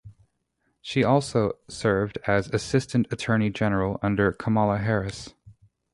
She also served as Assistant Attorney General under Kamala Harris.